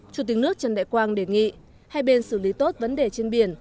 chủ tịch nước trần đại quang đề nghị hai bên xử lý tốt vấn đề trên biển